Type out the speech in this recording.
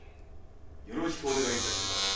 よろしくお願いいたしまする。